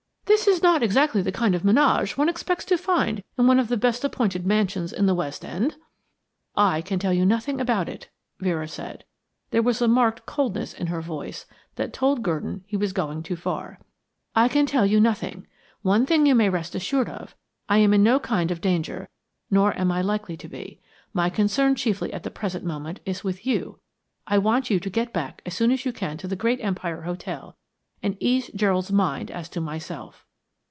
This is not exactly the kind of menage one expects to find in one of the best appointed mansions in the West End." "I can tell you nothing about it," Vera said. There was a marked coldness in her voice that told Gurdon he was going too far. "I can tell you nothing. One thing you may rest assured of I am in no kind of danger, nor am I likely to be. My concern chiefly at the present moment is with you. I want you to get back as soon as you can to the Great Empire Hotel, and ease Gerald's mind as to myself."